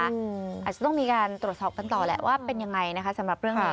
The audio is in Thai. อาจจะต้องมีการตรวจสอบกันต่อแหละว่าเป็นยังไงนะคะสำหรับเรื่องนี้